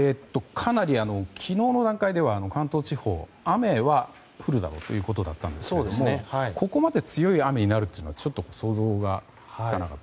かなり昨日の段階では関東地方雨は降るだろうということだったんですけれどもここまで強い雨になるとはちょっと想像がつかなかった。